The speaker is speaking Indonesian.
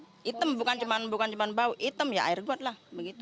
hitam bukan cuma bau hitam ya air got lah begitu